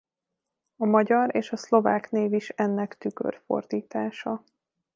A magyar és a szlovák név is ennek tükörfordítása.